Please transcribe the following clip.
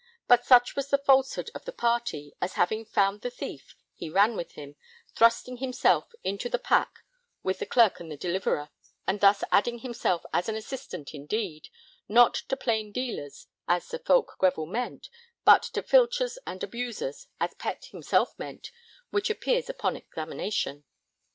But such was the falsehood of the party, as having found the thief, he ran with him, thrusting himself into [the] pack with the Clerk and the deliverer; and thus adding himself as an assistant indeed, not to plain dealers as Sir Foulke Greville meant, but to filchers and abusers, as Pett himself meant, which appears upon examination.